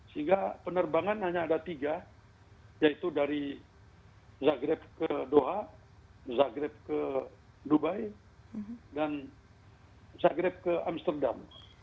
sehingga penerbangan hanya ada tiga yaitu dari zagreb ke doha zagreb ke dubai dan zagreb ke amsterdam